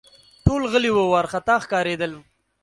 ټول غلي وه ، وارخطا ښکارېدل